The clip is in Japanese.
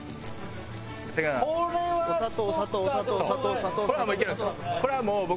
お砂糖お砂糖お砂糖お砂糖お砂糖お砂糖。